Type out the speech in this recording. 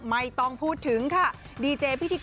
ไม่ต้องพูดถึงค่ะดีเจพิธีกร